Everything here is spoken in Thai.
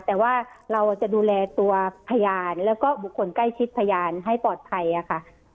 แต่ว่าเราจะดูแลตัวพยานแล้วก็บุคคลใกล้ชิดพยานให้ปลอดภัยค่ะ